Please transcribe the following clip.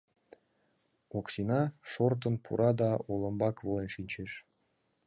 Оксина шортын пура да олымбак волен шинчеш.